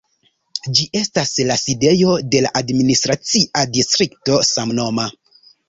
Ĝi estas la sidejo de la administracia distrikto samnoma.